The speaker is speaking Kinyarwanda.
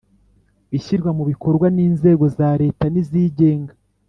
ishyirwa mu bikorwa n’inzego za leta n’izigenga;